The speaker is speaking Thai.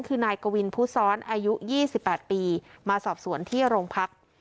คือนายกวินผู้ซ้อนอายุ๒๘ปีมาสอบสวนที่โรงพัก